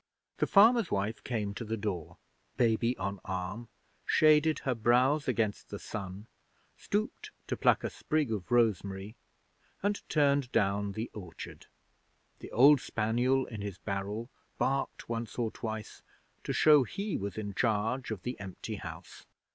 The farmer's wife came to the door, baby on arm, shaded her brows against the sun, stooped to pluck a sprig of rosemary, and turned down the orchard. The old spaniel in his barrel barked once or twice to show he was in charge of the empty house.